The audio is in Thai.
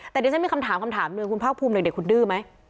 แต่ดิฉันมีคำถามคำถามหนึ่งคุณภาคภูมิเด็กคุณดื้อไหม